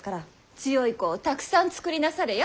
強い子をたくさん作りなされや。